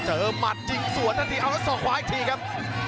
เจอมัดยิงสวนอันนี้เอาละสอบขวาอีกทีกับ